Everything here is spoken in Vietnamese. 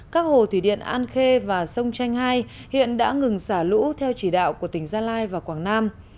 các hồ thủy điện an khê và sông chanh hai hiện đã ngừng xả lũ theo chỉ đạo của tỉnh gia lai và quảng nam